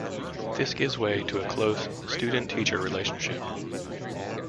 This gives way to a close student-teacher relationship.